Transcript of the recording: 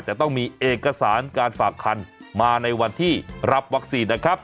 แต่ต้องมีเอกสารการฝากคันมาในวันที่รับวัคซีนนะครับ